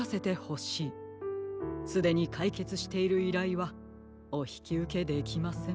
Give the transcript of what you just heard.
すでにかいけつしているいらいはおひきうけできません。